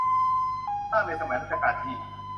สร้างในสมัยรัชกาลที่